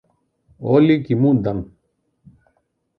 Όλοι κοιμούνταν.